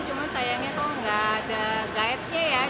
cuma sayangnya kok nggak ada guide nya ya